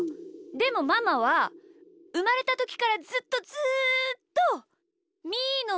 でもママはうまれたときからずっとずっとみーのめがだいすきだな。